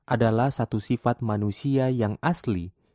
adalah satu sifat manusia yang asli